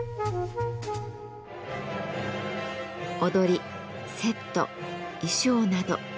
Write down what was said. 踊りセット衣装など。